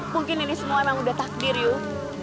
mungkin ini semua emang udah takdir yuk